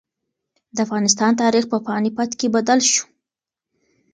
د افغانستان تاریخ په پاني پت کې بدل شو.